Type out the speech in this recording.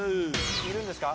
いるんですか？